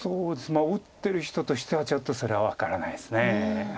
打ってる人としてはちょっとそれは分からないです。